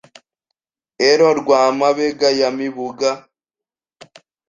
ero rwa Mabega ya Mibuga